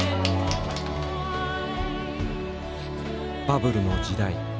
バブルの時代。